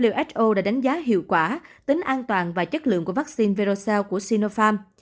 who đã đánh giá hiệu quả tính an toàn và chất lượng của vắc xin verocell của sinopharm